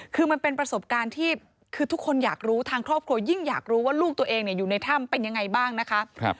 คือมันเป็นประสบการณ์ที่คือทุกคนอยากรู้ทางครอบครัวยิ่งอยากรู้ว่าลูกตัวเองอยู่ในถ้ำเป็นยังไงบ้างนะคะ